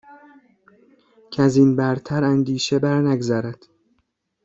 کزین برتر اندیشه بر نگذرد